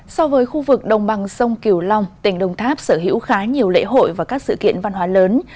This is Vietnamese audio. so với khu vực đồng bằng sông kiều long tỉnh đồng tháp sở hữu khá nhiều lễ hội và các sự kiện văn hóa lớn